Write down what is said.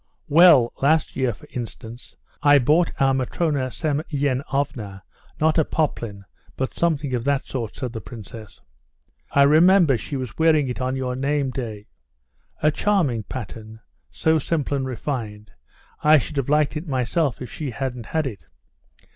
"Well, last year, for instance, I bought our Matrona Semyenovna, not a poplin, but something of that sort," said the princess. "I remember she was wearing it on your nameday." "A charming pattern—so simple and refined,—I should have liked it myself, if she hadn't had it.